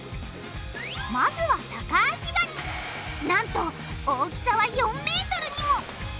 なんと大きさは４ｍにも！